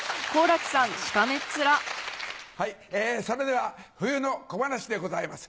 それでは冬の小噺でございます。